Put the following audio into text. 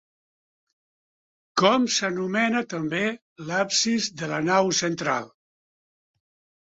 Com s'anomena també l'absis de la nau central?